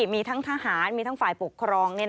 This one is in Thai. มีทั้งทหารมีทั้งฝ่ายปกครอง